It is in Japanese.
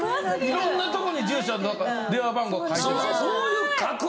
色んなとこに住所とか電話番号書いてた。